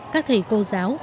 các thầy cô giáo